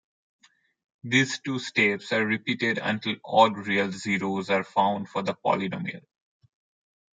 These two steps are repeated until all real zeros are found for the polynomial.